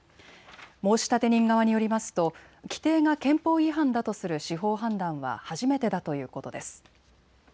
申立人側によりますと規定が憲法違反だとする司法判断は初めてだということです。